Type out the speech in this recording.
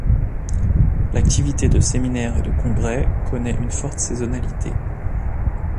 L’activité de séminaires et de congrès connait une forte saisonnalité.